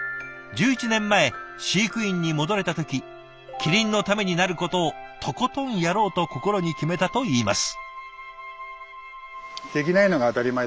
１１年前飼育員に戻れた時キリンのためになることをとことんやろうと心に決めたといいます。